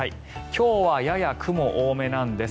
今日はやや雲も多めなんです。